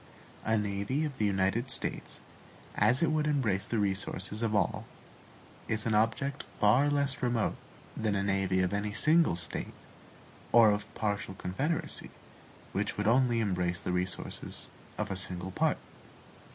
A navy of the United States, as it would embrace the resources of all, is an object far less remote than a navy of any single State or partial confederacy, which would only embrace the resources of a single part.